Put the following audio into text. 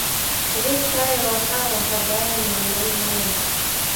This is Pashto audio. زه ستا یوه ښه او وفاداره میرمن نه یم؟